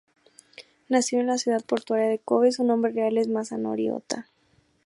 Nacido en la ciudad portuaria de Kōbe, su nombre real es Masanori Ota.